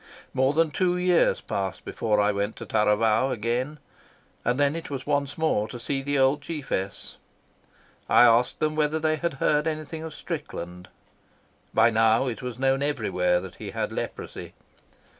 More than two years passed before I went to Taravao again, and then it was once more to see the old chiefess. I asked them whether they had heard anything of Strickland. By now it was known everywhere that he had leprosy.